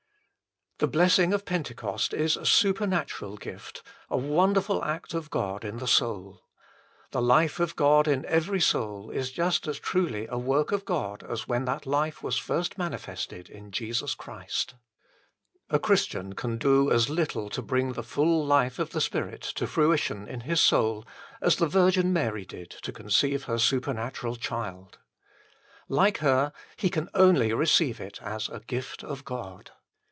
The blessing of Pentecost is a supernatural gift, a wonderful act of God in the soul. The life of God in every soul is just as truly a work of God as when that life was first manifested in Jesus Christ. A Christian can do as little to bring the full life of the Spirit to fruition in his soul as the Virgin Mary did to conceive her supernatural child. 1 Like her, he can only receive it as the gift of God.